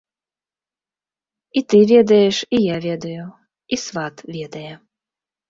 І ты ведаеш, і я ведаю, і сват ведае.